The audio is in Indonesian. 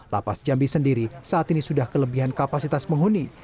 lapas jambi sendiri saat ini sudah kelebihan kapasitas penghuni